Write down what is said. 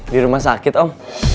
di rumah sakit om